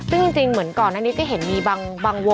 ซึ่งจริงเหมือนก่อนอันนี้ก็เห็นมีบางโวงที่เขาออกมาเรียกร้อน